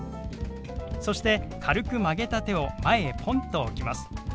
そして軽く曲げた手を前へポンと置きます。